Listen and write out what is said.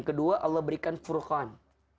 kedua allah berikan furqan